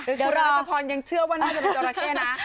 คุณรัชพรยังเชื่อว่าน่าจะเป็นจราเข้นะ